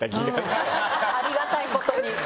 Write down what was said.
ありがたいことに。